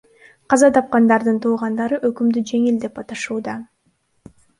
Каза тапкандардын туугандары өкүмдү жеңил деп аташууда.